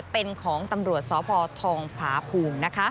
เป็นของตำรวจสภภาภูมิ